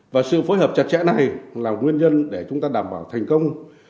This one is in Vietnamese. và sự phối hợp chặt chẽ này là nguyên nhân để chúng ta đảm bảo thành công